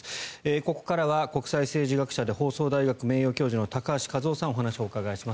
ここからは国際政治学者で放送大学名誉教授の高橋和夫さんお話をお伺いします。